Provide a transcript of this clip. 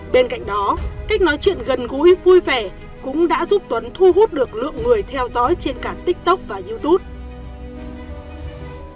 bên cạnh đó cách nói chuyện gần gũi vui vẻ cũng đã giúp tuấn thu hút được lượng người theo dõi trên cả tiktok và youtube